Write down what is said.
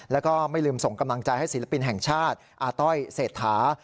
แล้วก็ไม่ลืมส่งกำลังใจให้ศิลปินแห่งชาติอาต้อยเศรษฐา